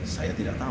saya tidak tahu